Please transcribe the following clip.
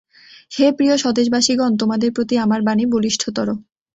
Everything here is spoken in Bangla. হে প্রিয় স্বদেশবাসিগণ! তোমাদের প্রতি আমার বাণী বলিষ্ঠতর।